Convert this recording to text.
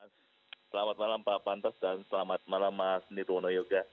selamat malam pak pantas dan selamat malam mas nirwono yoga